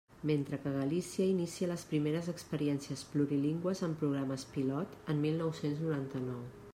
Mentre que Galícia inicia les primeres experiències plurilingües amb programes pilot en mil nou-cents noranta-nou.